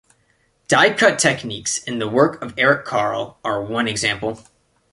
Die-cut techniques in the work of Eric Carle are one example.